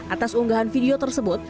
atas unggahan video tersebut